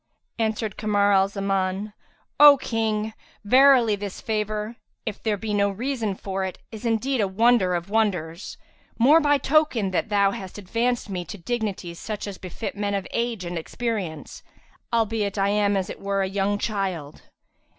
Answered Kamar al Zaman, "O King, verily this favour, if there be no reason for it, is indeed a wonder of wonders, more by token that thou hast advanced me to dignities such as befit men of age and experience, albeit I am as it were a young child."